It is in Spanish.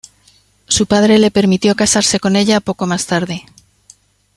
Su padre le permitió casarse con ella poco más tarde.